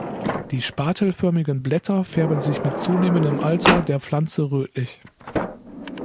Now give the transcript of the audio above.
Die spatelförmigen Blätter färben sich mit zunehmendem Alter der Pflanze rötlich.